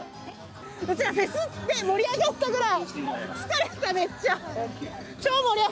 うちらフェスで盛り上がったくらい疲れた、めっちゃ。